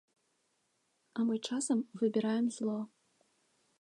А мы часам выбіраем зло.